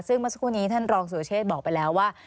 ซึ่งเมื่อสักครู่นี้ท่านรองสุรเชษฐ์บอกไปแล้วว่า